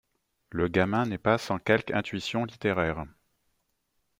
Le gamin n’est pas sans quelque intuition littéraire.